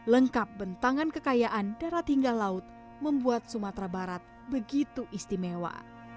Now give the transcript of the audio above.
lengkap bentangan kekayaan darat hingga laut membuat sumatera barat begitu istimewa